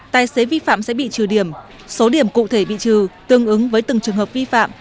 tài xế vi phạm sẽ bị trừ điểm số điểm cụ thể bị trừ tương ứng với từng trường hợp vi phạm